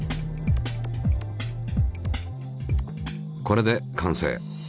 これで完成。